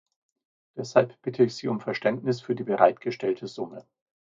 Deshalb bitte ich Sie um Verständnis für die bereitgestellte Summe.